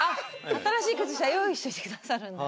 新しい靴下用意しといてくださるんだ。